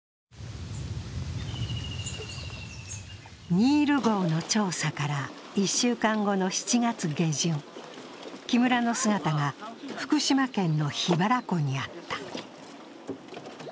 「ニール」号の調査から１週間後の７月下旬、木村の姿が福島県の桧原湖にあった。